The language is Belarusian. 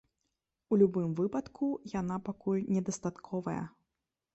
У любым выпадку, яна пакуль недастатковая.